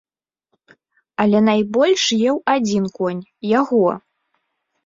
Але найбольш еў адзін конь, яго.